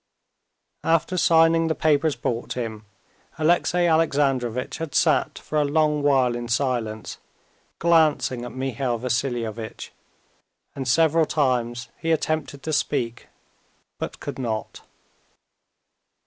After signing the papers brought him, Alexey Alexandrovitch had sat for a long while in silence, glancing at Mihail Vassilievitch, and several times he attempted to speak, but could not.